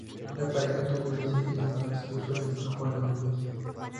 La pareja tuvo dos hijas llamadas Úrsula y Juana De Dios.